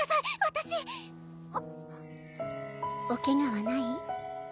私おケガはない？